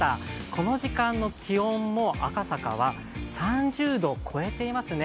この時間の気温も赤坂は３０度を超えていますね